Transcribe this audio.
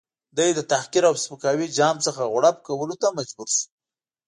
دی د تحقیر او سپکاوي جام څخه غوړپ کولو ته مجبور شو.